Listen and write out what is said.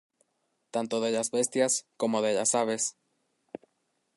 Tanto de las bestias como de las aves.